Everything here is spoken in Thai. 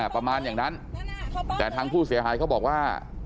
ประมาณอย่างนั้นแต่ทางผู้เสียหายเขาบอกว่า